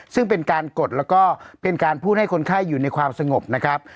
ซึ่งเป็นการกดแล้วก็เป็นการพูดให้คนไข้อยู่ในความสงบนะครับ